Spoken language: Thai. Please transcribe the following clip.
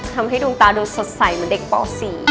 ทำให้ดูงตาดูสดใสเหมือนเด็กป่าวสี่